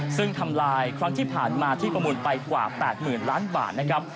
ซึ่งทำลายครั้งที่ผ่านมาที่ประมูลไปกว่า๘๐๐๐ล้านบาทนะครับ